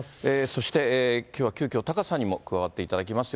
そして、きょうは急きょ、タカさんにも加わっていただきます。